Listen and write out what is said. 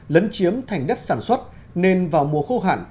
lấn chiếm thành đất sản xuất nên vào mùa khô hạn